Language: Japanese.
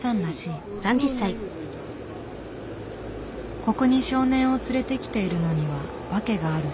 ここに少年を連れてきているのには訳があるそう。